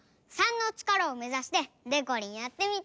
３の力をめざしてでこりんやってみて。